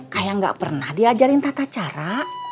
kayak gak pernah diajarin tata cara